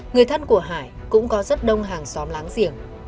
người thân của hải cũng có rất đông hàng xóm láng giềng